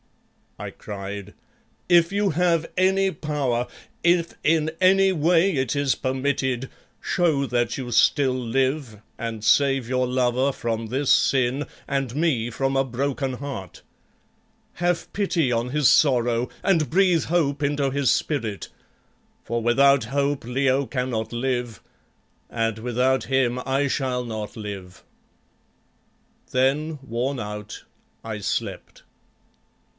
I cried, "if you have any power, if in any way it is permitted, show that you still live, and save your lover from this sin and me from a broken heart. Have pity on his sorrow and breathe hope into his spirit, for without hope Leo cannot live, and without him I shall not live." Then, worn out, I slept.